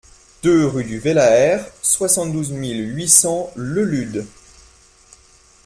deux rue du Velaert, soixante-douze mille huit cents Le Lude